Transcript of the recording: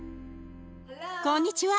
こんにちは。